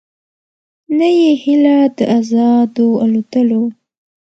نه یې هیله د آزادو الوتلو